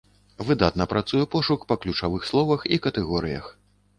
Выдатна працуе пошук па ключавых словах і катэгорыях.